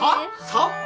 ３万？